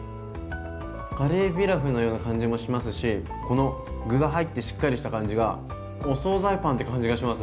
カレーピラフのような感じもしますしこの具が入ってしっかりした感じがお総菜パンって感じがします。